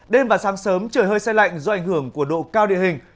đêm và sáng sớm trời hơi xe lạnh do ảnh hưởng của độ cao địa hình